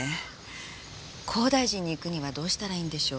高台寺に行くにはどうしたらいいんでしょう？